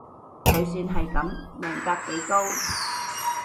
佢算係噉，命格幾高